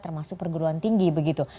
termasuk perguruan tinggi begitu